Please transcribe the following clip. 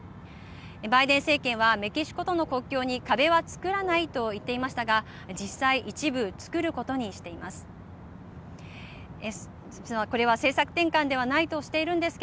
バイデン政権はメキシコとの国境に壁はつくらないと言っていましたが実際一部つくることにしています。